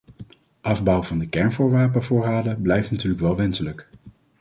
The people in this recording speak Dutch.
Afbouw van de kernwapenvoorraden blijft natuurlijk wel wenselijk.